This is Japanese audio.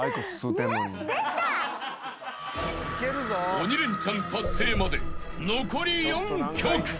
［鬼レンチャン達成まで残り４曲］